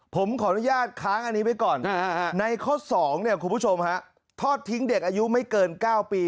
ผมขออนุญาตค้างอันนี้ไว้ก่อนในข้อ๒คุณผู้ชมฮะทอดทิ้งเด็กอายุไม่เกิน๙ปี